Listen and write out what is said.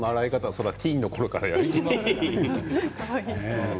そりゃティーンのころからやりますよね。